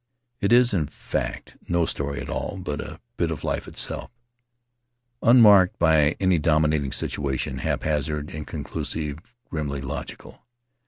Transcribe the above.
It is, in fact, no story at all, but a bit of His Mother's People life itself — unmarked by any dominating situation, hap hazard, inconclusive, grimly logical.